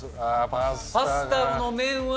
パスタの麺は？